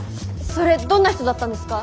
それどんな人だったんですか？